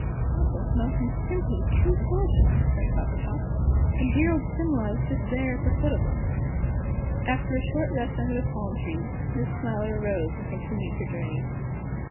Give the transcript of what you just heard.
"Aren't those mountains simply too gorgeous!" cried Coppertop; "and dear old Simla is just there at the foot of them." After a short rest under the palm trees, Miss Smiler arose and continued her journey.